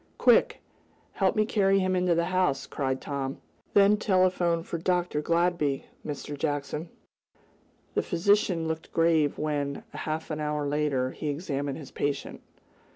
"Quick! Help me carry him into the house!" cried Tom. "Then telephone for Dr. Gladby, Mr. Jackson." The physician looked grave when, half an hour later, he examined his patient.